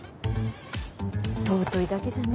尊いだけじゃね